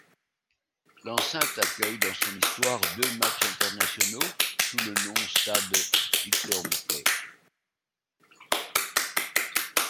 L'enceinte accueille dans son histoire deux matchs internationaux, sous le nom stade Victor-Boucquey.